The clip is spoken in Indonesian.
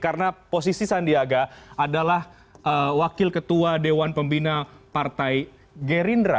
karena posisi sandiaga adalah wakil ketua dewan pembina partai gerindra